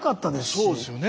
そうですよね。